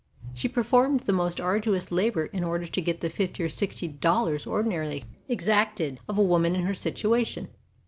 She performed the most arduous labor in order to get the fifty or sixty dollars ordinarily exacted of a woman in her situa tion.